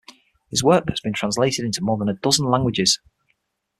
His work has been translated into more than a dozen languages.